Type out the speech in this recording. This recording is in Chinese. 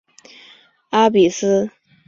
阿比伊。